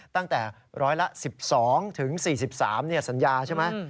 ตั้งแต่ร้อยละ๑๒ถึง๔๓สัญญาใช่ไหม